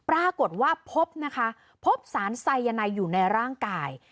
ปรากฏว่าพบนะคะพบสารไซยาไนอยู่ในร่างกาย